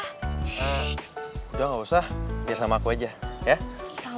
udah gak usah biar sama aku aja ya